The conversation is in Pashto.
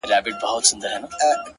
تش په نامه دغه ديدار وچاته څه وركوي!